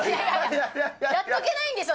やっとけないんですよ！